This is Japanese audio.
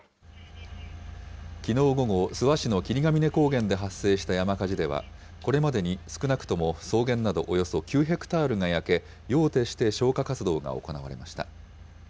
きのう午後、諏訪市の霧ヶ峰高原で発生した山火事では、これまでに少なくとも草原などおよそ９ヘクタールが焼け、夜を徹して消火活動が行われました。